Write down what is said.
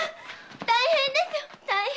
大変ですよ大変！